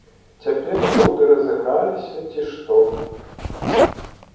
Цяпер дуды разыграліся, ці што.